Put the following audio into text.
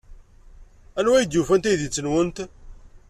Anwa ay d-yufan taydit-nwent?